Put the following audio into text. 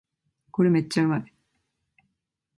これめっちゃうまい